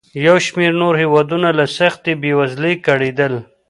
یو شمېر نور هېوادونه له سختې بېوزلۍ کړېدل.